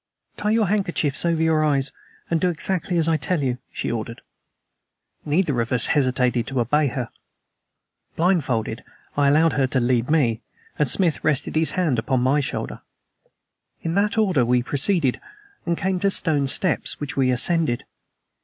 "Tie your handkerchiefs over your eyes and do exactly as I tell you," she ordered. Neither of us hesitated to obey her. Blind folded, I allowed her to lead me, and Smith rested his hand upon my shoulder. In that order we proceeded, and came to stone steps, which we ascended.